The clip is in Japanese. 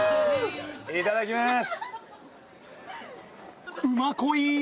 いただきます！